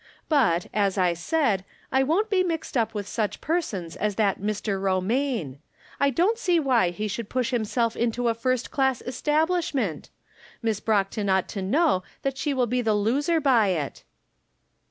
But, as I said, I won't be mixed up with such persons as that Mr. Romaine. I don't see why he should 264 I'rom Different Standpoints. push himself into a first class establishment. Miss Brockton ought to know that she will be the loser by it."